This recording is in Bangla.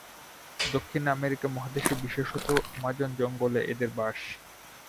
দক্ষিণ আমেরিকা মহাদেশে বিশেষত আমাজন জঙ্গলে এদের বাস।